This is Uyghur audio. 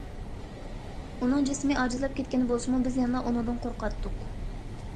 ئۇنىڭ جىسمى ئاجىزلاپ كەتكەن بولسىمۇ بىز يەنىلا ئۇنىڭدىن قورقاتتۇق.